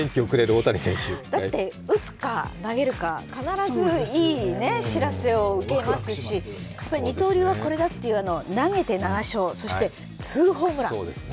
だって、打つか投げるか必ずいい知らせを受けますし、二刀流はこれだという投げて７勝、そして２ホームラン。